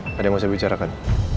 apa ada yang mau saya bicarakan